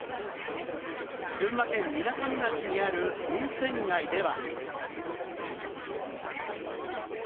群馬県みなかみ町にある温泉街では。